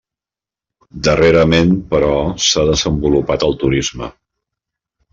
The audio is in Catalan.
Darrerament, però, s'ha desenvolupat el turisme.